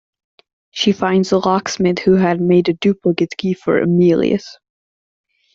She finds a locksmith who had made a duplicate key for Emilius.